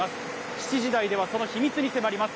７時台ではその秘密に迫ります。